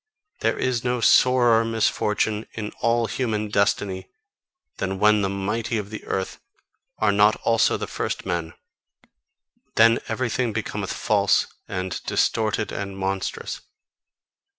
There is no sorer misfortune in all human destiny, than when the mighty of the earth are not also the first men. Then everything becometh false and distorted and monstrous.